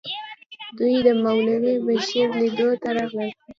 دوی د مولوي بشیر لیدلو ته راغلل.